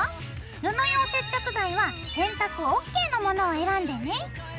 布用接着剤は洗濯ＯＫの物を選んでね。